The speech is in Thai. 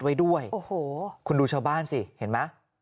ไว้ด้วยโอ้โหคุณดูชาวบ้านสิเห็นไหม